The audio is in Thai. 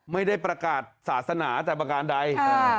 ไม่ได้ประกาศศาสนาแต่ประการใด